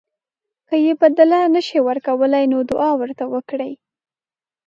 که یې بدله نه شئ ورکولی نو دعا ورته وکړئ.